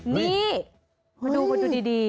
นี่เพราะดูมันดูดี